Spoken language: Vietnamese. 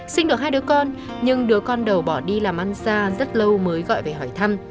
sinh được hai đứa con nhưng đứa con đầu bỏ đi làm ăn xa rất lâu mới gọi về hỏi thăm